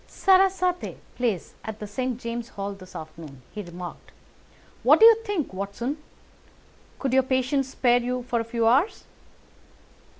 "Sarasate plays at the St. James's Hall this afternoon," he remarked. "What do you think, Watson? Could your patients spare you for a few hours?"